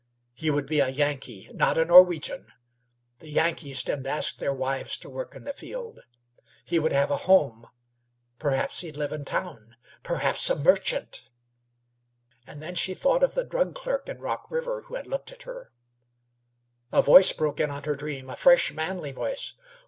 He would be a Yankee, not a Norwegian. The Yankees didn't ask their wives to work in the field. He would have a home. Perhaps he'd live in town perhaps a merchant! And then she thought of the drug clerk in Rock River who had looked at her A voice broke in on her dream, a fresh, manly voice.